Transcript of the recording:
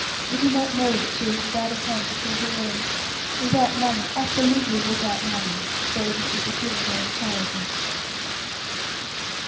Did he not know that she was without a home to call her own, without money absolutely without money, save what would be given her in charity?